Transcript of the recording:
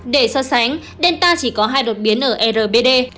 để so sánh delta chỉ có hai đột biến ở rbd